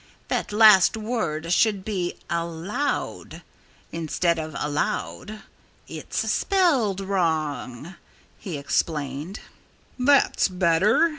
That last word should be 'allowed,' instead of 'aloud.' It's spelled wrong," he explained. "That's better!"